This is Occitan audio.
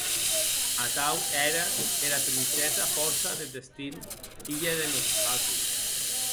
Atau ère era princessa Fòrça deth Destin, hilha de Nozhatú.